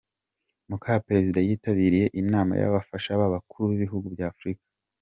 Muka perezida yitabiriye inama y’abafasha b’abakuru b’ibihugu by’Afurika